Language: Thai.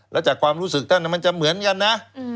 แล้วจากความรู้สึกท่านมันจะเหมือนกันนะ